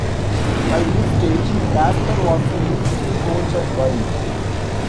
By this stage, Casper was a youth team coach at Bury.